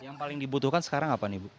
yang paling dibutuhkan sekarang apa nih bu